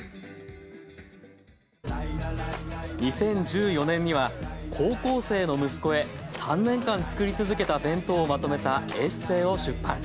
２０１４年には高校生の息子へ３年間作り続けた弁当をまとめたエッセーを出版。